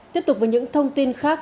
tiếp tục với những thông tin khác